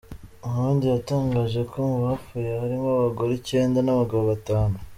Mohamed yatangaje ko mu bapfuye harimo abagore icyenda n’ abagabo batanu.